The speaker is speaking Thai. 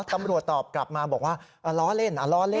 ตำรวจตอบกลับมาบอกว่าล้อเล่นล้อเล่น